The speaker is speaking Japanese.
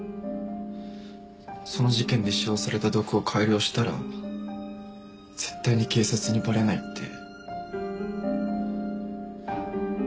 その事件で使用された毒を改良したら絶対に警察にバレないって。